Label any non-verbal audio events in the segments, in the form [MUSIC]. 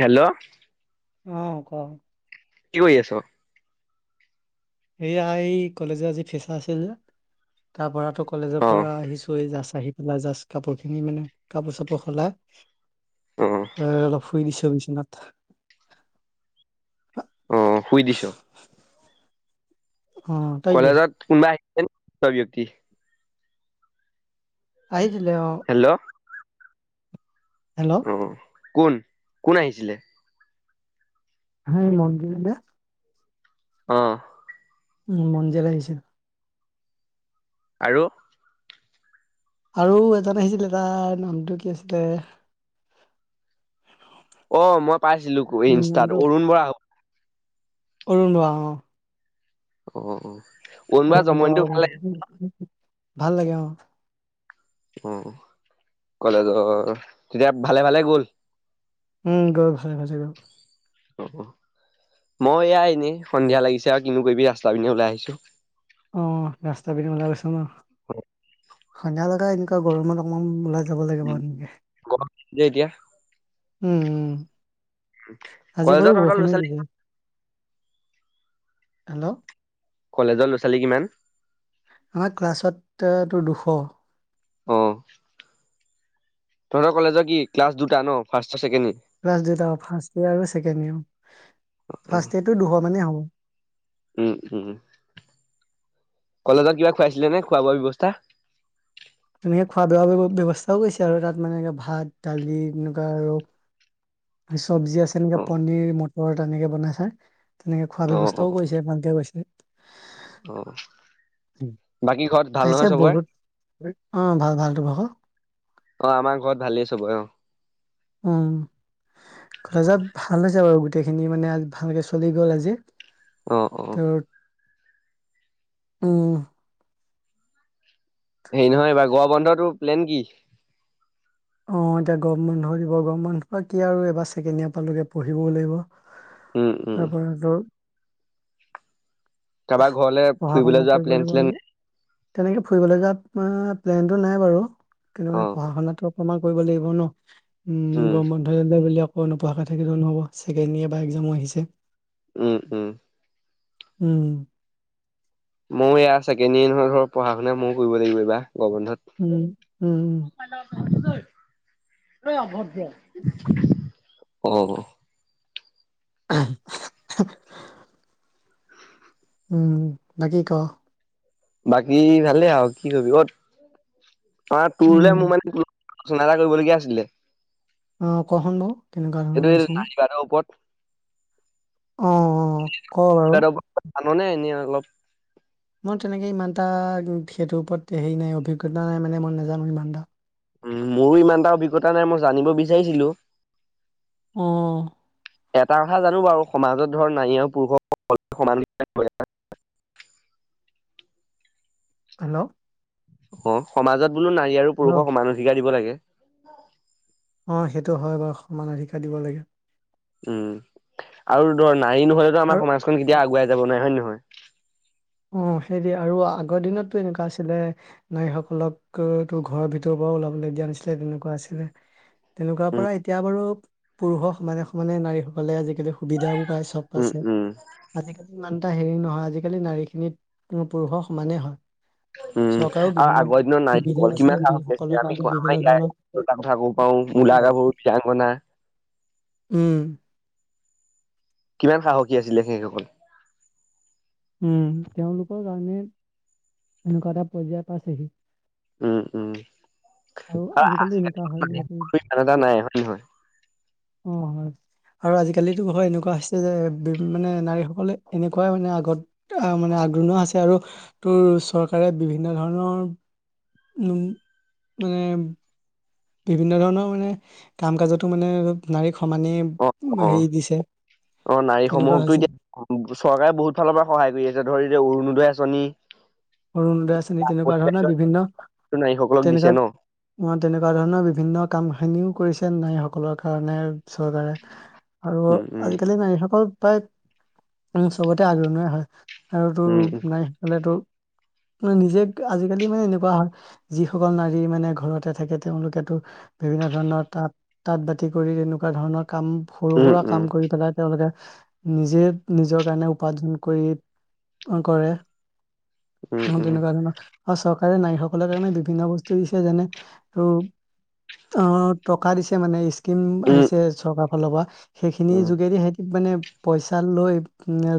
Hello. অ ক। কি কৰি আছ? সেয়া এই কলেজৰ আজি ফেচা আছিল তাৰ পৰা। ত কলেজৰ অ পৰা আহিছো এই জাছ আহি পেলাই জাষ্ট কাপোৰ খিনি মানে কাপোৰ চাপোৰ সলাই। অ আহ অলপ শুই দিছোঁ বিছনাত। অ শুই দিছ। অ', তাই কি কলেজত কোনোবা আহছে চ ব্যক্তি। আহিছিলে অ। হেল্ল' হেল্ল' অ কোন -কোন আহিছিলে? সেই মঞ্জিল। আহ। উম মঞ্জিল আহিছিল। আৰু? আৰু এজন আহিছিলে, তাৰ নামটো কি আছিলে? অ মই পাইছিলো খুৰি উম, ইনষ্টাত অৰুণ বৰা হ। অৰুণোৱা অ। অ অ। ভাল লাগে অ। অ কলেজৰ, তেতিয়া ভালে ভালে গল। উম গৈ ভালে পাইছে ক। অ মই এয়াই এনে সন্ধিয়া লাগিছে আউ কিনো কইবি ৰাস্তা পিনি ওলাই আহিছো। অ ৰাস্তা পিনে উলাই গৈছ ন। সন্ধিয়ালৈকে এই দিন। গৰমত অকণমান উলাই। উম উম। গৰম দিন যে এতিয়া। উম উ, আজি কলেজৰ বাৰু তহঁতৰ ল'ৰা বৰষুণো ছোৱালী দিলে। হেল্ল'। কলেজৰ ল'ৰা ছোৱালী কিমান? আমাৰ ক্লাছত ত দুশ। অ তহঁতৰ কলেজৰ কি ক্লাছ দুটা ন ফাৰ্ষ্ট ইয়েৰ, ছেকেণ্ডয়েৰ। ক্লাছ দুটা ফাৰ্ষ্ট ইয়েৰ আৰু ছেকেণ্ড ইয়েৰ ফাৰ্ষ্ট ইয়েৰটো দুশ মানেই হ'ব। উম উম উম। কলজত কিবা খুৱাইছিলে নে খোৱা বোৱা ব্যৱস্থা? তেনেকে খোৱা বোৱা ব্যয়ৱস্থাও কৰিছে আৰু তাত মানে ভাত, দালি তেনেকুৱা আৰু। আৰু চব্জি আছে তেনেকে অ', পনিৰ, মটৰ তেনেকে বনাইচে। তেনেকে খোৱা ব্যৱস্থাও কৰিছে, ভালকে কৈছে। অহ। আহিছে বহুত। অ ভাল ভাল তো ভাগ? অ আমাৰ ঘৰত ভালেই চবই অ। উম। কলেজত ভাল হৈছে বাৰু গোট গোটেইখিনি মানে ভালকে চলি গ'ল আজি। অ অ। তোৰ উম। সেই নহয়, এইবাৰ গোৱা বন্ধটো প্লেন কি? অ এতিয়া গৰম বন্ধ দিব গৰম বন্ধ কি আৰু এইবাৰ ছেকেণ্ড ইয়েৰ পালোগে পঢ়িব লাগিব। উম, উম, তাৰ পৰা ত। কাৰোবাৰ ঘৰলে পঢ়া ফুৰিবলৈ শুনা যোৱা কৰিব প্লেন লাগিব চ্লেন নেকি। তেনেকে ফুৰিবলৈ যোৱা তোমাৰ প্লেনটো নাই বাৰু। কেলে কৈ অ', পঢ়া শুনাটো। অকমান কৰিব লাগিব ন। উম গম বন্ধ একবাৰ বুলি অক। ৱ নপঢ়াকে থাকিলেও নহ'ব। ছেকেণ্ড ইয়েৰ বা এক্সামো আহিছে। উম উম। উম। মও এইয়া ছেকেণ্ড ইয়েৰ ধৰিধৰ পঢ়া শুনে ময়ো কৰিব লাগিব এইবাৰ। গৰম উম উম উম। অই অভদ্ৰ, অ। [UNINTELLIGIBLE] উম বাকি ক। বাকী ভালে আৰু কি কৰিবি, অ অ তোৰলে উম মোৰ মানে। ফোন এটা কৰিবলগীয়া আছিলে। অহ কহ বাওঁ, কেনেকুৱা এইটো ধৰণৰ নিচিনা? নাৰী বাদৰ ওপৰত অ অ ক বাৰু। আননে এনেই অলপ। মই তেনেকে ইমানটা সেইটোৰ ওপৰত হেৰি নাই অভিজ্ঞতা নাই মানে মই নাজানো ইমানটা উম মোৰো ইমান এটা অভিজ্ঞতা নাই মই জানিব বিচাৰিছিলো অ এটা কথা জানো বাৰু সমাজত ধৰ নাৰী আৰু পুৰুষস সমান অধিকাৰ [UNINTELLIGIBLE] হেল্ল' অ সমাজত বোলো নাৰী আৰু হেল্ল' পুৰুষক সমান অধিকাৰ দিব লাগে অ সেইটো হয় বাৰু সমান অধিকাৰ দিব লাগে উম আৰু ধৰ নাৰী নহলেতো আৰু আমাৰ সমাজখন কেতিয়াও আগুৱাই যাব নোৱাৰে হয় নে নহয় [UNINTELLIGIBLE] অ সেইটোৱে আৰু আগৰ দিনতো এনেকোৱা আছিলে নাৰীসকলক তো ঘৰৰ ভিতৰ পৰা ওল ওলাব দিয়া নাছিলে তেনেকোৱা আছিলে তেনেকোৱা উম পৰা এতিয়া বাৰু পুৰুষক সমানে সমানে নাৰী সকলে আজিকালি সুবিধাও চব উম আছে উম আজিকালি ইমান এটা হেৰি নহয় আজিকালি নাৰী খিনিত পুৰুষৰ সমানেই হয় [UNINTELLIGIBLE] উম চৰকাৰেও আৰু বিভিন্ন আগৰ দিনৰ সুবিধা নাৰীসকল দিছিলে কিমান সাহস নাৰীসকলৰ কৰিছিলে আমি কাৰণে আমাৰ বিভিন্ন ধৰণৰ ইয়াৰে কথা কব পাৰোঁ ডেকা-গাভৰুৰ, বিৰাংগনা উম কিমান সাহসী আছিলে সেইসকল উম তেওঁলোকৰ কাৰণে এনেকোৱা এটা পৰ্যায়ত পাইছেহি উম উম আৰু এনেকুৱা আজিকালি হয় মানুহ যে ইমান এটা নাই হয় নহয় অ আৰু আজিকালিতো হয় এনেকোৱা হৈছে যে মানে নাৰীসকলে এনেকোৱাই মানে আগত আহ মানে আগণো আছে আৰু তোৰ চৰকাৰৰ বিভিন্ন ধৰণৰ ওম মানে বিভিন্ন ধৰণৰ মানে কাম কাজতো মানে নাৰী সমানেই অ অ হেৰি দিছে অ তেনেকুৱা নাৰীসমূহকতো হৈছে এতিয়া চৰকাৰে বহুত ফালৰ পৰা সহায় কৰি আছে এতিয়া ধৰি অৰুণোদয় আঁচনি অৰুণোদয় আঁচনি তেনেকোৱা ধৰণৰ বিভিন্ন নাৰীসকলক দিছে ন। তেনেকোৱা অ তেনেকোৱা ধৰণৰ বিভিন্ন কাম খিনিও কৰিছে নাৰীসকলৰ কাৰণে চৰকাৰে আৰু উম, উম, আজিকালি নাৰীসকল প্ৰায়, উম চবতে আগৰণুৱা হয় আৰু উম, তোৰ নাই সকলো তোৰ নিজে আজিকালি মানে এনেকোৱা হয় যিসকল নাৰী মানে ঘৰতে থাকে তেওঁলোকেতো বিভিন্ন ধৰণৰ তাঁত তাঁত বাতি কৰি তেনেকোৱা ধৰণৰ কাম সৰু উম, সুৰা কাম কৰি পেলাই তেওঁলোকে নিজে নিজৰ কাৰণে উপাৰ্জন কৰি, কৰে উম, অ উম, তেনেকোৱা ধৰণৰ চৰকাৰে নাৰীসকলৰ কাৰণে বিভিন্ন বস্তু দিছে যেনে তোৰ অ টকা দিছে মানে স্কিম উম, আহিছে চৰকাৰৰ ফালৰ পৰা সেইখিনিৰ উম, যোগেদি সিহঁতি মানে পইচা লৈ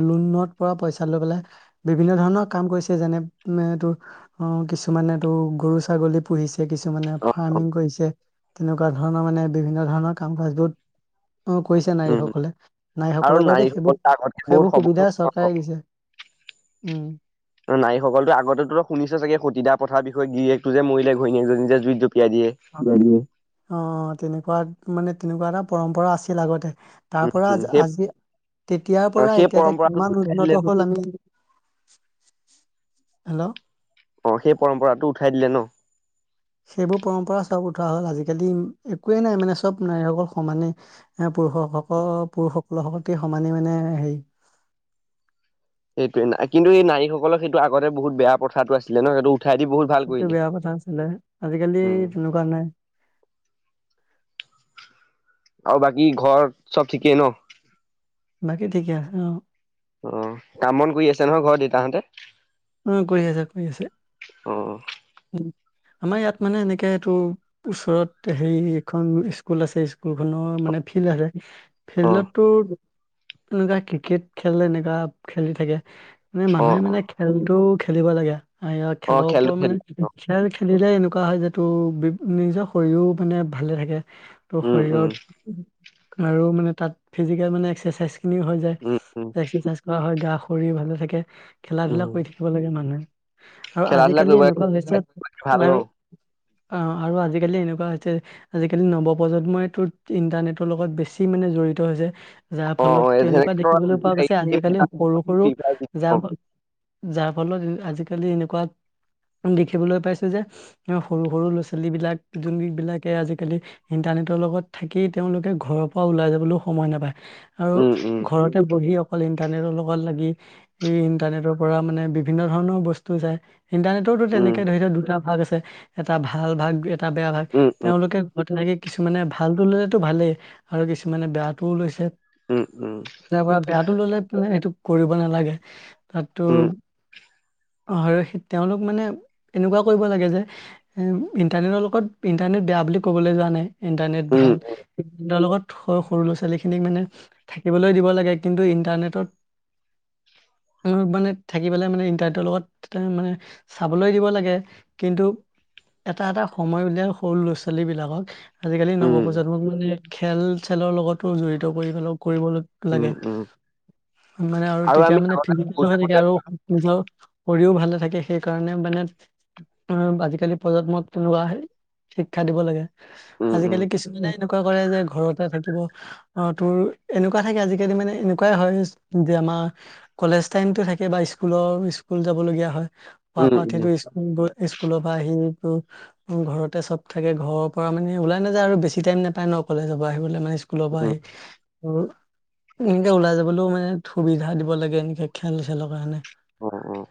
লোণত পৰা পইচা লৈ পেলাই বিভিন্ন ধৰণৰ কাম কৰিছে। যেনে তোৰ অ কিছুমানে তো গৰু ছাগলী পুহিছে কিছুমানে অ, অ, ফাৰ্মিং কৰিছে তেনেকোৱা ধৰণৰ মানে বিভিন্ন ধৰণৰ কাম কাজ বোৰ অ কৰিছে উম। নাৰীসকলে আৰু নাৰীসকলৰ বাবে সেইবোৰ নাৰীসকলটো আগতকে বহুত সেইবোৰ সুবিধা সবল চৰকাৰে হ'ল। দিছে। উম অ নাৰীসকলতো আগতে শুনিছে চাগে সতিদা পথাৰ বিষয়ে গীয়ে একটো যে মৰিলে ঘৈণীয়েকজনী যে জুই অ তেনেকোৱা মানে তেনেকোৱা এটা পৰম্পৰা আছিল আগতে তাৰ উম, পৰা উম, আজ সেই আজি তেতিয়াৰ অ, পৰা সেই এতিয়ালৈকে পৰম্পৰাটোতো কিমান উঠাই দিলে ন। উন্নত হ'ল আমি [UNINTELLIGIBLE] হেল্ল' অ সেই পৰম্পৰাতটো উঠাই দিলে ন সেইবোৰ পৰম্পৰা চব উঠোৱা হ'ল আজিকালি একোৱেই নাই মানে চব নাৰীসকল সমানে এ পুৰুষসকল পুৰুষ সকলৰ প্ৰতি সমানে মানে হেৰি [UNINTELLIGIBLE] সেইটোৱে না, কিন্তু এই নাৰীসকলৰ সেইটো আগতে বহুত বেয়া কথাটো আছিলে ন সেইটো উঠাই দি বহুত ভাল সেইটো কৰিলে। বেয়া কথা আছিলে, আজিকালি উম, তেনেকুৱা নাই। আৰু বাকী ঘৰ চব ঠিকেই ন বাকী ঠিকে আছে অৱ অ কাম বন কৰি আছে নহয় ঘৰত দেউতাহঁতে উম কৰি আছে কৰি আছে, অ', উম আমাৰ ইয়াত মানে এনেকে এইটো ওচৰত হেৰি এখন স্কুল আছে স্কুল খনৰ মানে ফিল্ড আছে অ', ফিল্ডতটো এনেকুৱা ক্ৰিকেট খেল এনেকুৱা খেলি থাকে মানে অ', মানুহে মানে অ', খেলটো খেলিব লাগে ইয়াৰ অ' খেলৰ খেলটো ওপৰত মানে খেলি অ'। খেল খেলিলে এ কা হয় যটো নিজৰ শৰীৰো মানে ভালে থাকে। ত উম, উম, শৰীৰত আৰু মানে তাত ফিজিকেল মানে এক্সাৰচাইজ খিনি হৈ যায়। উম, উম, এক্সাৰচাইজ কৰা হয় গা শৰীৰ ভালে থাকে খেলা ধূলা উম, কৰি থাকিব লাগে মানুহে আৰু খেলা ধূলা আজিকালি কৰিব এনেকুৱা হৈছে ভাল ন? আৰু অ আৰু আজিকালি এনেকুৱা হৈছে আজিকালি নৱপ্ৰজন্মইো ইন্টাৰনেটৰ লগত বেছি মানে জড়িত হৈছে যাৰ অ', ফলত অ', তেনেকুৱা সেনেকে ধৰা দেখিবলৈ পোৱা গৈছে আজিকালি সৰু সৰু ফ্ৰী ফায়াৰ জিকিব। যাৰ যাৰ ফলত আজিকালি এনেকুৱা দেখিবলৈ পাইছো যে সৰু সৰু ল'ৰা ছোৱালী বিলাক য বিলাকে আজি কালি সিহঁতৰ লগত থাকি তেওঁলোকে ঘৰৰ পৰা ওলাই যাবলৈও সময় নাপায়। আৰু উম, উম, ঘৰতে বহি অকল ইণ্টাৰনেটৰ লগত লাগি এই ইন্টাৰনেটৰ পৰা মানে বিভিন্ন ধৰণৰ বস্তু যায়। ইণ্টাৰনেটৰো উম, তেনেকে ধৰি লও দুটা ভাগ আছে এটা ভাল ভাগ এটা বেয়া ভাগ উম, উম, তেওঁলোকে ঘৰত কিছুমানে ভালটো ল'লেতো ভালেই আৰু কিছুমানে বেয়াটোও লৈছে উম, উম, [UNINTELLIGIBLE] তাৰ পৰা বেয়াটো ললে সেইটো কৰিব নালাগে তাত অ উম, তেওঁলোক মানে এনেকুৱা কৰিব লাগে যে ইণ্টাৰনেটৰ লগত ইণ্টাৰনেট বেয়া বুলি ক'বলৈ যোৱা নাই ইণ্টাৰনেট উম, ভাল লগত সৰু ল'ৰা ছোৱালী খিনিক মানে থাকিবলৈ দিব লাগে কিন্তু ইন্টাৰনেটত উ মানে থাকিব পেলাই মানে ইণ্টাৰনেটৰ লগত মানে চাবলৈ দিব লাগে কিন্তু এটা এটা সময় উলিয়াই সৰু ল'ৰা ছোৱালী বিলাকক আজিকালি উম, নৱপ্ৰজন্মক মানে খেল খেলৰ লগত জড়িত কৰি কৰিব লাগে উম, উম, মানে আৰু তেতিয়া আমি মানে আগতে সৰু ফিজিক [UNINTELLIGIBLE] থাকোতে আৰু নিজৰ কৰিও ভাল থাকে সেইকাৰণে মানে আজিকালি প্ৰজন্ম তেৱা [UNINTELLIGIBLE] শিক্ষা দিব লাগে উম, উম, আজিকালি কিছুমানে এনেকুৱা কৰে যে ঘৰতে থাকিব অ তোৰ এনেকুৱা থাকে আজিকালি মানে এনেকুৱাই হয় আমাৰ কটো থাক কাবা স্কুলৰ স্কুল যাব লগগীয়া হয় প উম, পাহ সটো উম, স্কুল স্কুলৰ পৰা আহি ঘৰতে চব থাকে ঘৰৰ পৰা মানে ওলাই নাযায় আৰু বেছি টাইম নোপায় ন কলেজ আহিবলৈ মানে স্কুলৰ পৰা উম, আহি আৰু এনেকে ওলাই যাবলৈও মানে সুবিধা দিব লাগে এনেকে খেল খেলৰ কাৰণে অ', অ',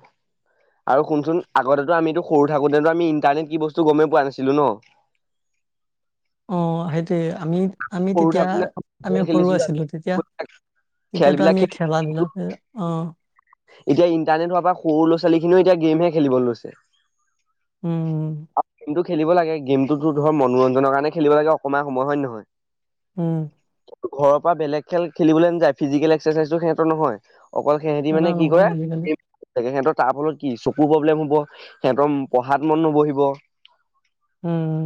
আৰু শুনচোন আগতেতো আমিতো সৰু থাকোতে আমি ইন্টাৰনেট কি বস্তু গমেই পোৱা নাছিলো ন [UNINTELLIGIBLE] অ সেইটোয়ে আমি আমি সৰু তেতিয়া থাকোতে আমি ফুটবল সৰু খেলিছিলো আছিলো তেতিয়া [UNINTELLIGIBLE] খেল তেতিয়াতো বিলাক আমি খে খেলা ধূলাতে অঁ। [UNINTELLIGIBLE] এতিয়া ইণ্টাৰনেট হোৱাৰ পৰা সৰু ল'ৰা ছোৱালীখিনিও এতিয়া, গেম হে খেলিবলৈ লৈছে। [UNINTELLIGIBLE] উম। গেমটো খেলিব লাগে গেমটোতো ধৰ মনোৰঞ্জনৰ কাৰণে খেলিব লাগে অকণমান সময় হয় নে নহয়? [UNINTELLIGIBLE] উম। ঘৰৰ পৰা বেলেগ খেল খেলিবলৈ নাযায় ফিজিকেল এক্সাৰচাইজো সিহঁতৰ নহয়। [UNINTELLIGIBLE] অকল সেহঁতি খেলা মানে কি নহয় কৰে, আজিকালি সিহঁতৰ তাৰ ফলত কি চকুৰ প্ৰব্লেম হ'ব, সিহঁতৰ পঢ়াত মন নবহিব, উম।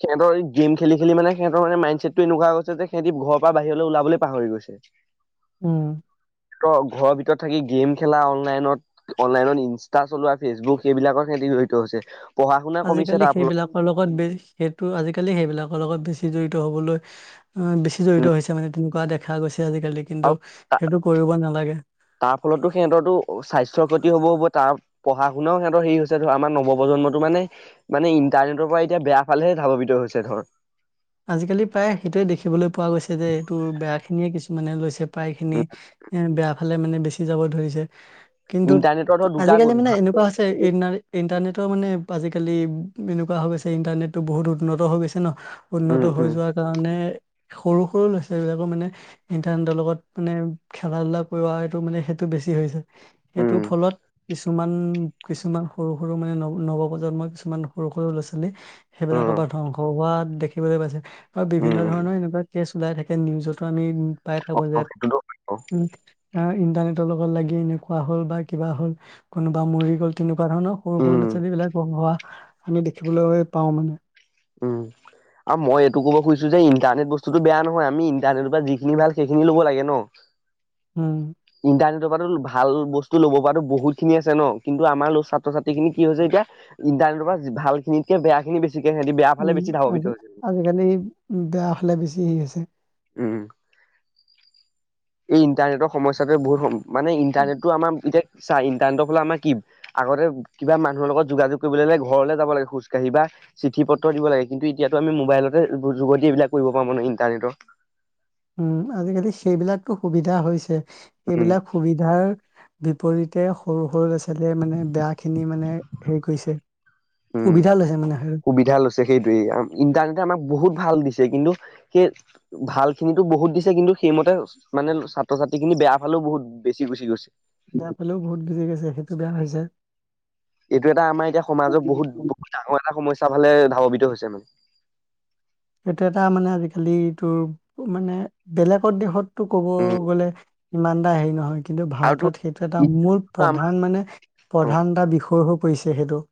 সিহঁতৰ এই গেম খেলি খেলি মানে সিহঁতৰ মাইণ্ডছেটতটো এনেকুৱা হৈ গৈছে যে সেহঁতি ঘৰ পৰা বাহিৰলৈ ওলাবলৈ পাহৰি গৈছে। [UNINTELLIGIBLE] উম। ঘৰৰ ভিতৰত থাকি গেম খেলা অনলাইনত অনলাইনত ইনষ্টা চলোৱা ফেচবুক সেইবিলাকৰ সেহঁ তি বেছি জড়িত হৈছে। [UNINTELLIGIBLE] কমিছে আজিকালি তাৰ ফলত। সেইবিলাকৰ লগত বে সেইটো আজিকালি সেইবিলাকৰ লগত বেছি জড়িত হবলৈ [UNINTELLIGIBLE] বেছি উম জড়িত হৈছে মানে তেনেকুৱা দেখা গৈছে আজিকালি কিন্তু সেইটো কৰিব নালাগে তাৰ ফলতো সিহঁতৰটো স্বাস্থ্যৰ ক্ষতি হ'ব হ'ব তাৰ পঢ়া শুনাও সিহঁতৰ হেৰি হৈছে ধৰা আমাৰ নৱপ্ৰজন্মটো মানে মানে ইণ্টাৰনেটৰ পৰা এতিয়া বেয়া ফালেহে ধাৱৱিত [UNINTELLIGIBLE] হৈছে ধৰ। আজিকালি প্ৰায় সেইটোৱে দেখিবলৈ পোৱা গৈছে যে এইটো বেয়া খিনিয়ে কিছুমানে লৈছে, প্ৰায়খিনি এ বেয়া ফালে মানে বেচি যাব ধৰিছে। কিন্তু ইণ্টাৰনেটৰ ধৰ দুটা আজিকালি গুণ মানে এনেকুৱা হৈছে ই ইণ্টাৰনেট ৰ মানে আজিকালি এনেকুৱা হৈ গৈছে ইণ্টাৰনেটটো বহুত উন্নত হৈ গৈছে ন? উন্নত উম হৈ উম যোৱাৰ কাৰণে সৰু সৰু লৈছে এইবিলাকো মানে ইণ্টাৰনেটৰ লগত মানে খেলা ধূলা কৰা এইটো মানে সেইটো বেছি হৈছে। সেইটোৰ উম ফলত কিছুমান কিছুমান সৰু সৰু মানে ন নৱপ্ৰজন্মৰ কিছুমান সৰু সৰু ল'ৰা ছোৱালী সেইবিলাকৰ পৰা ধ্বংস হোৱা দেখি দেখিবলৈ পাইছে বা বিভিন্ন উম ধৰণৰ এনেকুৱা কেছ ওলাই থাকে নিউজতো আমি পাই থাকোঁ অ যে সেইটোতো উ ইন্টাৰনেটৰ লগত লাগি এনেকুৱা হ'ল বা কিবা হ'ল কোনোবা মৰি গ'ল তেনেকুৱা ধৰণ [UNINTELLIGIBLE] ৰ সৰু সৰু ল'ৰা উম ছোৱালী বিলাক হোৱা আমি দেখিবলৈ পাওঁ মানে, উম। আৰু মই এইটো কবখুজিছোঁ যে ইণ্টাৰনেট বস্তুতটো বেয়া নহয় আমি ইণ্টাৰনেটৰ পৰা যিখিনি ভাল সেইখিনি লব লাগে ন। হোম। ইণ্টাৰনেটৰ ভাল বস্তু ল'ব পৰাটো বহুত খিনি আছে ন, কিন্তু আমাৰ ছাত্ৰ ছাত্ৰী খিনি কি হৈছে এতিয়া ইণ্টাৰ নেটৰ পৰা ভালখিনিতকৈ বেয়াখিনি বেছি সিঁহতি বেয়া ফালে উম, বেছি ধাৱাৱিত। আজি আজিকালি বেয়া ফালে বেছি হেৰি হৈছে। উম এই ইন্টাৰনেটৰ সমস্যাটোৱে বহুত ম মানে ইণ্টাৰনেটটো আমাৰ এতিয়া চা ইণ্টাৰনেটৰ ফালে আমাৰ কি আগতে কিবা মানুহৰ লগত যোগাযোগ কৰিবলৈ হ'লে ঘৰলৈ যাব লাগে খোজকাঢ়িব বা চিঠি পত্ৰ দিব লাগে কিন্তু এতিয়াতো আমি মোবাইলতে যোগেদি এইবিলাক কৰিব পাৰো মানে ইণ্টাৰনেটৰ। উম আজিকালি সেইবিলাকতো সুবিধা হৈছে উম, সেইবিলাক সুবিধাৰ বিপৰীতে সৰু সৰু ল'ৰা ছোৱালীয়ে মানে বেয়াখিনি মানে হেৰি কৰিছে। উম, সুবিধা লৈছে মানে সেই সুবিধা লৈছে সেইটোয়ে ইন্টাৰনেটে আমাক বহুত ভাল দিছে, কিন্তু সেই ভাল খিনিটো বহুত দিছে কিন্তু সেইমতে মানে ছাত্ৰ ছাত্ৰী খিনি বেয়া ফালো বহুত বেছি গুছি গৈছে। বেয়া ফালেও বহুত গুচি গৈছে সেইটো বেয়া হৈছে। এইটো এটা আমাৰ এতিয়া সমাজত বহুত বহুত ডাঙৰ এটা সমস্যা ফালে স্বভাৱিত হৈছে মানে। সেইটো এটা মানে আজিকালিটোৰ মানে বেলেগৰ দেশত টো ক'ব উম, গ'লে ইমানটা হেৰি নহয়। কিন্তু আৰু তোৰ ভাৰতত সেইটো এটা মূল আমাৰ প্ৰধান মানে অ, প্ৰধান এটা বিষয় হৈ পৰিছে সেইটো।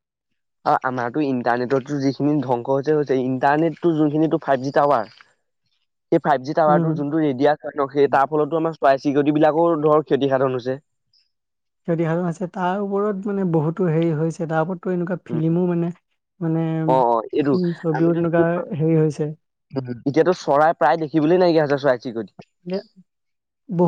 অ আমাৰতো ইণ্টাৰনেটতো যিখিনি ধ্বংস হৈছে হৈছে ইণ্টাৰনেটটো যোনখিনিটো ফাইভ জি টাৱাৰ। সেই ফাইভ জি টাৱাৰটো উম যোনটো ৰেডিয়া সেই তাৰ ফলতো আমাৰ চোৱাই। চিকতি বিলাকো ধৰ ক্ষতি সাধন হৈছে। ক্ষতি সাধন আছে তাৰ ওপৰত মানে বহুতো হেৰি হৈছে তাৰ ওপৰতো এনেকুৱা উম ফিলিমো মানে। মানে অ অ এইটো উম ছবিও আমিতো তেনেকুৱাৰ হেৰি হৈছে। [INAUDIBLE] এতিয়াতো চৰাই প্ৰায় দেখিবলৈ নাইকিয়া হৈছে চৰাই এ চিৰিকটি। বহুত